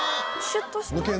シュッとした？